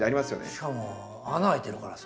しかも穴開いてるからさ。